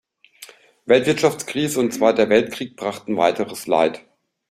Weltwirtschaftskrise und Zweiter Weltkrieg brachten weiteres Leid.